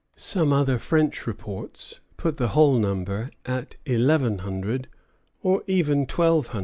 ] Some other French reports put the whole number at eleven hundred, or even twelve hundred, [Footnote: See _N.